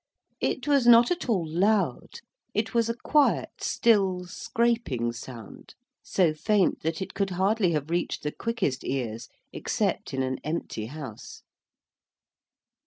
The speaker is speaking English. It was not at all loud—it was a quiet, still, scraping sound—so faint that it could hardly have reached the quickest ears, except in an empty house.